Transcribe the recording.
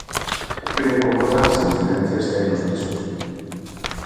–Veño comprobar as incidencias que hai nos pisos.